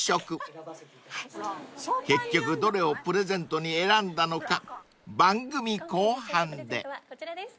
［結局どれをプレゼントに選んだのか番組後半で］